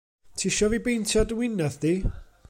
Tisio fi beintio dy winadd di?